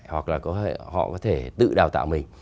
hoặc là họ có thể tự đào tạo mình